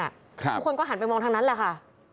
ทุกคนก็หันไปมองทางนั้นแหละค่ะ